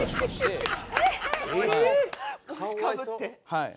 はい。